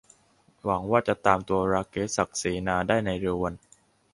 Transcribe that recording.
หวังว่าจะตามตัว ราเกซ ศักดิ์เสนา ได้ในเร็ววัน